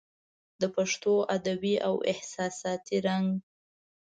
د پښتو ادبي او احساساتي رنګ